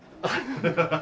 ハハハハ。